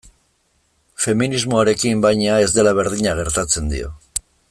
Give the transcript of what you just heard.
Feminismoarekin, baina, ez dela berdina gertatzen dio.